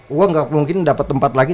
wah nggak mungkin dapat tempat lagi